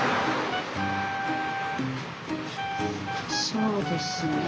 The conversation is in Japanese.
そうですね。